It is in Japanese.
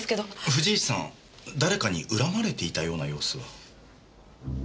藤石さん誰かに恨まれていたような様子は？